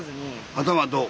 頭どう？